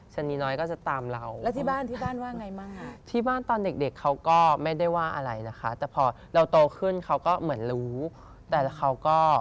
คุณกังแต่ว่าพ่อแม่เริ่มรู้ตั้งแต่ปฐมแล้ว